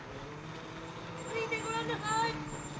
ついてきてごらんなさい！